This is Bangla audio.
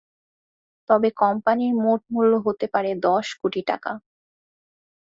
তবে কোম্পানির মোট মূল্য হতে পারে দশ কোটি টাকা।